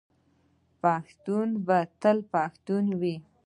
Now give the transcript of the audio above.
پښتون به تل پښتون وي.